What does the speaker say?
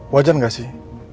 wajar gak sih